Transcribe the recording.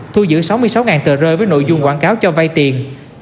thu giữ sáu mươi sáu tờ rơi với nội dung quảng cáo cho vay tiền